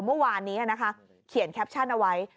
เมื่อวานนี้นะคะเขียนแคปชั่นเอาไว้